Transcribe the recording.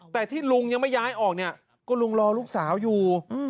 แต่ที่ลุงยังไม่ย้ายออกเนี่ยก็ลุงรอลูกสาวอยู่